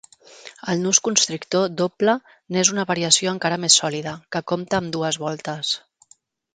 El nus constrictor doble n'és una variació encara més sòlida, que compta amb dues voltes.